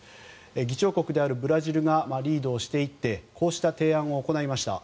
議長国であるブラジルがリードをしていってこうした提案を行いました。